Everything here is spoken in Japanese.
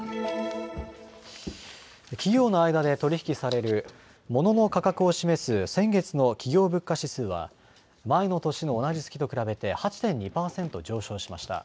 企業の間で取り引きされるモノの価格を示す先月の企業物価指数は前の年の同じ月と比べて８．２％上昇しました。